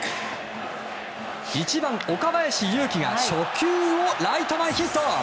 １番、岡林勇希が初球をライト前ヒット。